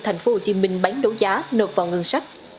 thành phố hồ chí minh bán đấu giá nộp vào ngân sách